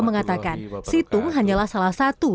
mengatakan situng hanyalah salah satu